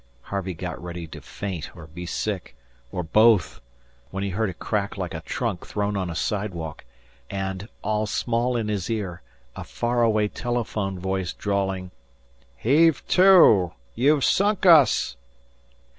Harvey got ready to faint or be sick, or both, when he heard a crack like a trunk thrown on a sidewalk, and, all small in his ear, a far away telephone voice drawling: "Heave to! You've sunk us!"